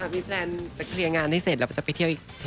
มีแพลนจะเคลียร์งานให้เสร็จแล้วก็จะไปเที่ยวอีก